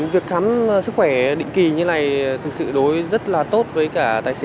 việc khám sức khỏe định kỳ như này thực sự đối rất là tốt với cả tài xế